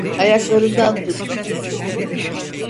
Ayaklarından tut.